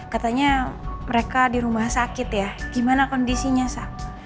katanya mereka di rumah sakit ya gimana kondisinya sa